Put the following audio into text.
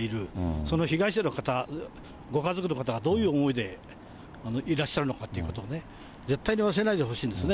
その被害者の方、ご家族の方がどういう思いでいらっしゃるのかということをね、絶対に忘れないでほしいんですね。